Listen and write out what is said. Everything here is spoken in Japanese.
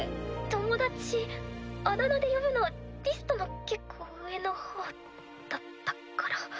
友達あだ名で呼ぶのリストの結構上の方だったから。